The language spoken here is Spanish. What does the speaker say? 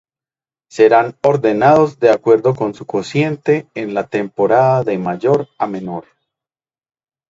Serán ordenados de acuerdo con su cociente en la temporada de mayor a menor.